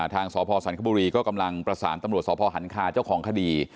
ทางสพสันคบุรีก็กำลังประสานตำรวจสพหันคาเจ้าของคดี